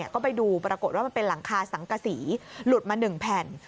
ก็ไปดูปรากฏว่ามันเป็นหลังคาสังกษีหลุดมา๑แผ่น